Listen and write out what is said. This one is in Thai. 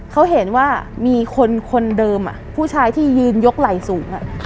เขาเห็นว่ามีคนคนเดิมผู้ชายที่ยืนยกไหล่สูง